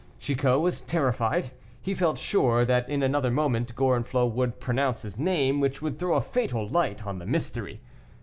Chicot was terrified; he felt sure that in another moment Gorenflot would pronounce his name, which would throw a fatal light on the mystery.